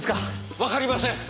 わかりません。